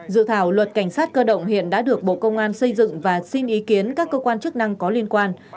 dự thảo luật cảnh sát cơ động hiện đã được bộ công an xây dựng và xin ý kiến các cơ quan chức năng có liên quan